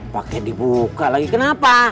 paket dibuka lagi kenapa